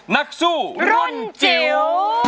นักสู้รุ่นจิ๋ว